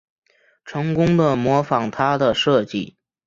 成功的模仿他的设计